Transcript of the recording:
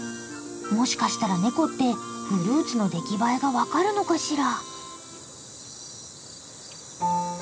もしかしたらネコってフルーツの出来栄えが分かるのかしら？